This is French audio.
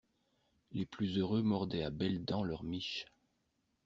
Les plus heureux mordaient à belles dents leur miche.